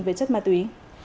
với chất ma túy